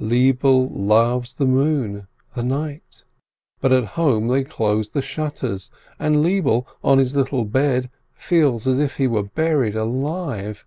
Lebele loves the moon, the night, but at home they close the shutters, and Lebele, on his little bed, feels as if he were buried alive.